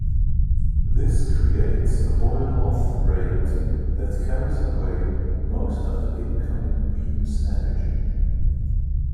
This creates a boil-off rate that carries away most of the incoming beam's energy.